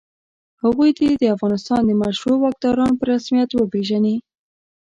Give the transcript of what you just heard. هغوی دې د افغانستان مشروع واکداران په رسمیت وپېژني.